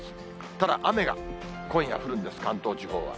ただ、雨が今夜降るんです、関東地方は。